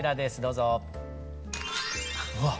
うわっ！